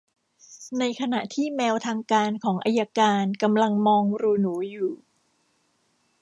ในขณะที่แมวทางการของอัยการกำลังมองรูหนูอยู่